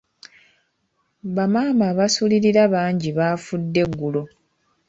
Bamaama abasulirira bangi baafudde eggulo.